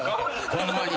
ホンマに。